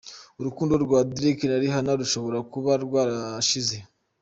Urukundo rwa Drake na Rihanna rushobora kuba rwarashize.